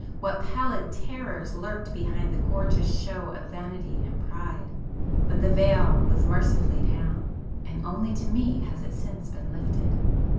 —what pallid terrors lurked behind the gorgeous show of vanity and pride! But the veil was mercifully down,—and only to me has it since been lifted!